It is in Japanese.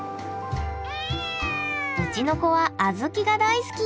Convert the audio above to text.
うちの子はあずきが大好き。